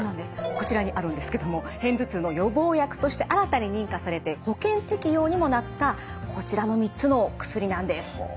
こちらにあるんですけども片頭痛の予防薬として新たに認可されて保険適用にもなったこちらの３つの薬なんです。